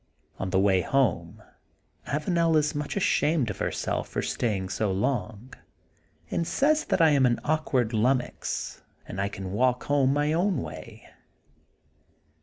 On the way home Avanel is much ashamed of herself for staying so long and says that I am an awkward lummox, and I can walk home my own way.